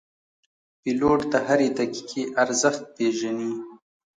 پیلوټ د هرې دقیقې ارزښت پېژني.